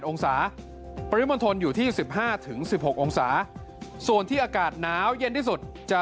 องศาปริมณฑลอยู่ที่๑๕๑๖องศาส่วนที่อากาศหนาวเย็นที่สุดจะ